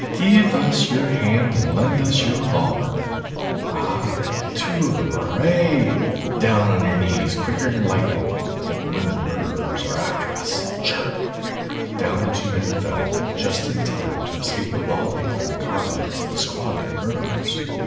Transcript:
Give us yer hand and lend us yer revolver. Ah, got two of 'em. Hooray! Down on yer knees quicker'n lightnin', for the woman murderers are after us, sharp!" Down the two men fell, just in time to escape a volley from the carbines of a squad of the murderers.